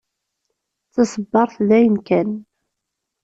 D taṣebbart d ayen kan.